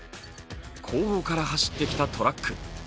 後方から走ってきたトラック。